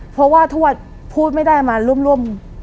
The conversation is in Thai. เพราะว่าทวดพูดไม่ได้มาร่วม